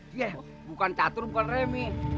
bukan catur bukan raja remi